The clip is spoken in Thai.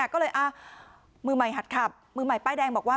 ก็เลยมือใหม่หัดขับมือใหม่ป้ายแดงบอกว่า